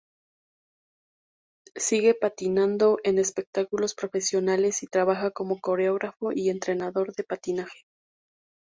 Sigue patinando en espectáculos profesionales y trabaja como coreógrafo y entrenador de patinaje.